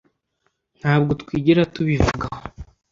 Ntabwo twigera tubivugaho